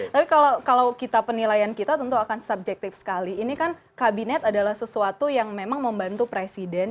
tapi kalau kita penilaian kita tentu akan subjektif sekali ini kan kabinet adalah sesuatu yang memang membantu presiden